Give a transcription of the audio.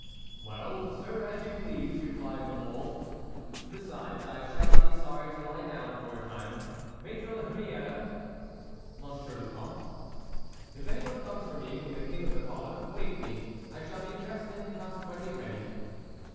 "Well, sir, as you please," replied La Mole; "besides, I shall not be sorry to lie down for a time. Maître la Hurière!" "Monsieur le Comte?" "If any one comes for me from the King of Navarre, wake me; I shall be dressed, and consequently ready."